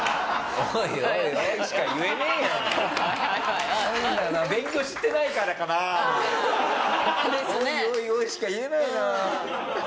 おい」しか言えないな。